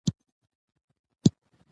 هر مضر له خپله اصله معلومیږي